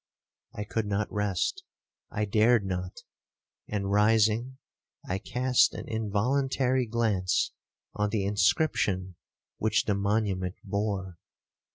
I could not rest—I dared not—and rising, I cast an involuntary glance on the inscription which the monument bore.